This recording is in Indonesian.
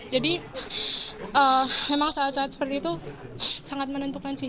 jadi memang saat saat seperti itu sangat menentukan sih